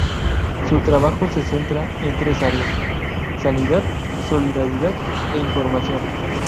Su trabajo se centra en tres áreas: "Sanidad", "Solidaridad" e "Información".